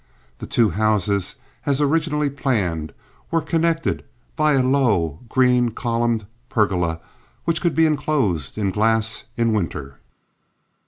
The two houses, as originally planned, were connected by a low, green columned pergola which could be enclosed in glass in winter.